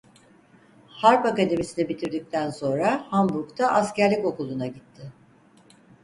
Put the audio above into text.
Harp Akademisi'ni bitirdikten sonra Hamburg'da Askerlik Okulu'na gitti.